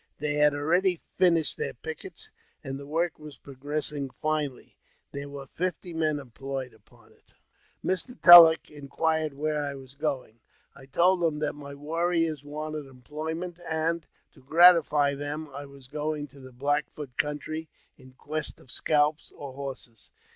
They had already finished their pickets, and the work was progressing finely. There were fifty men employed upon it. Mr. Tulleck inquired where I was going. I told him that my warriors wanted employment, and, to gratify them, I was going to the Black Foot country in quest of scalps or horses.